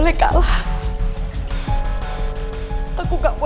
tapi musuh aku bobby